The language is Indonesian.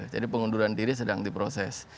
jadi pengunduran diri sedang diproses